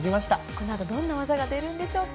このあとどんな技が出るんでしょうか。